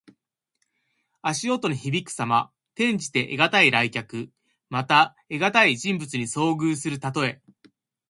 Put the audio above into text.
足音のひびくさま。転じて、得難い来客。また、得難い人物に遭遇するたとえ。